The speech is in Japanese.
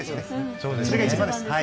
それが一番ですはい。